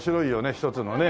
一つのねえ。